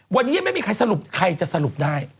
วันนี้ยังไม่มีใครสรุปใครจะสรุปได้